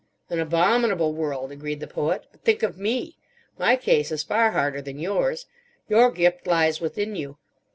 "An abominable world," agreed the Poet. "But think of me! My case is far harder than yours. Your gift lies within you.